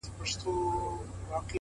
هر منزل د نوي فهم سرچینه ده،